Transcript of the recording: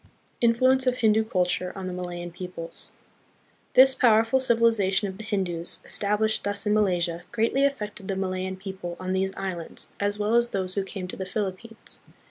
Influence of Hindu Culture on the Malayan Peoples. This powerful civilization of the Hindus, established thus in Malaysia, greatly affected the Malayan people on these islands, as well as those who came to the Philip pines.